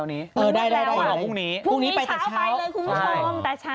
เขาก็เลยเอาหนังตะลุงมาแทบ